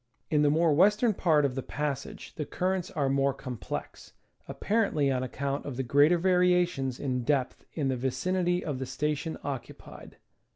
In the more western part of the passage the currents are more complex, apparently on account of the greater variations in depth in the vicinity of the station occupied.